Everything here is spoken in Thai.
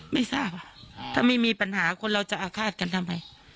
ไม่ทราบถ้าไม่มีปัญหาคนเราจะอาฆาตกันทำไม